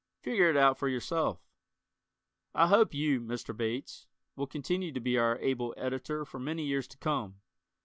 Figure it out for yourself. I hope you, Mr. Bates, will continue to be our able Editor for many years to come.